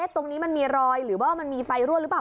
ตรงนี้มันมีรอยหรือว่ามันมีไฟรั่วหรือเปล่า